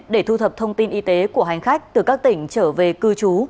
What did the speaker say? để thu thập thông tin y tế của hành khách từ các tỉnh trở về cư trú